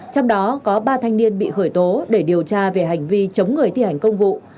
trong đó có ba thanh niên bị khởi tố để điều tra về hành vi chống người thi hành công vụ